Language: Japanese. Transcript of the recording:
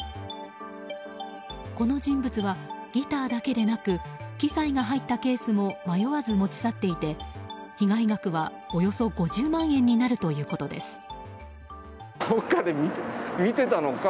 この人物は、ギターだけでなく機材が入ったケースも迷わず持ち去っていて、被害額はおよそ５０万円になるということです。